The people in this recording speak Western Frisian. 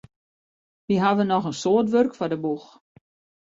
Wy hawwe noch in soad wurk foar de boech.